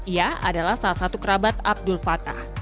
ia adalah salah satu kerabat abdul fatah